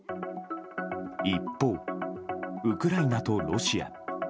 一方、ウクライナとロシア。